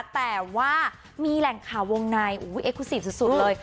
แต่ว่ามีแหล่งขาวงในเอกสุสิฟท์สุด่ะ